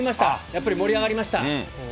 やっぱり盛り上がりました。